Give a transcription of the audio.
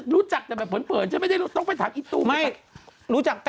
รู้จักแต่แบบเปินฉันไม่ได้ต้องไปถามอีตุ